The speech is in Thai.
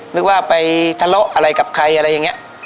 หรือว่าไปทะเลาะอะไรกับใครอะไรอย่างนี้